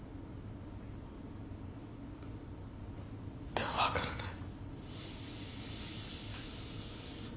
でも分からない。